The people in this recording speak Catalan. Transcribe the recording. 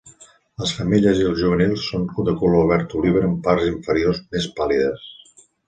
Les femelles i els juvenils són de color verd oliva amb parts inferiors més pàl·lides.